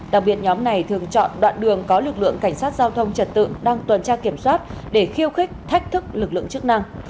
đặc biệt nhóm này thường chọn đoạn đường có lực lượng cảnh sát giao thông trật tự đang tuần tra kiểm soát để khiêu khích thách thức lực lượng chức năng